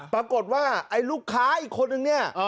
ปรากฏว่าไอ้ลูกค้าอีกคนนึงเนี่ย